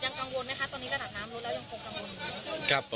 ครับยังกังวลไหมคะตอนนี้ระดับน้ำลดแล้วยังคงกังวล